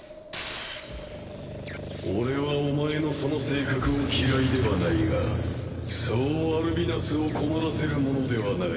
俺はお前のその性格を嫌いではないがそうアルビナスを困らせるものではない。